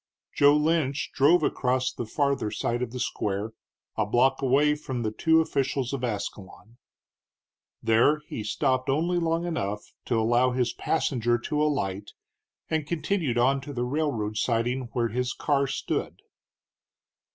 Joe Lynch drove across the farther side of the square, a block away from the two officials of Ascalon. There he stopped only long enough to allow his passenger to alight, and continued on to the railroad siding where his car stood.